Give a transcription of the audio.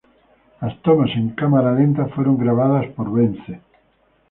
Las tomas en cámara lenta fueron grabadas por Bence.